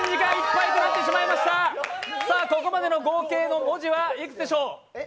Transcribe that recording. ここまでの合計の文字はいくつでしょう？